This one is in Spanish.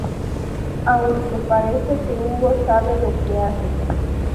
Aunque parece que Hugo sabe lo que hace.